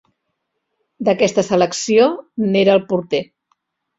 D'aquesta selecció n'era el porter.